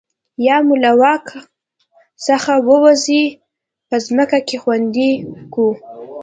یا مو له واک څخه ووځي په ځمکه کې خوندي کوو.